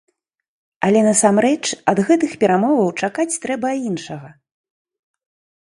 Але, насамрэч, ад гэтых перамоваў чакаць трэба іншага.